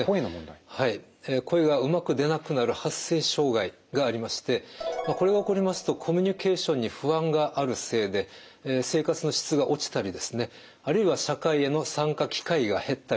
はい声がうまく出なくなる発声障害がありましてこれが起こりますとコミュニケーションに不安があるせいで生活の質が落ちたりあるいは社会への参加機会が減ったりします。